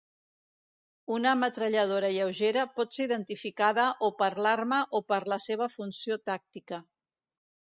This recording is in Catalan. Una metralladora lleugera pot ser identificada o per l'arma o per la seva funció tàctica.